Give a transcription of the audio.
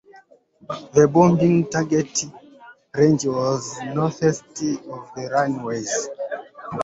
The bombing target range was northeast of the runways.